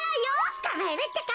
つかまえるってか！